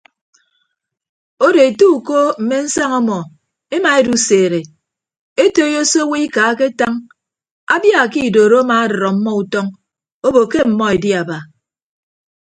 Odo ete uko mme nsaña ọmọ emaeduseede etoiyo se owo ika aketañ abia ke idoro amadʌd ọmmọ utọñ obo ke ọmmọ edi aba.